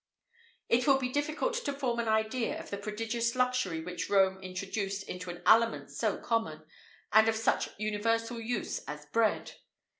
[IV 58] It would be difficult to form an idea of the prodigious luxury which Rome introduced into an aliment so common, and of such universal use as bread.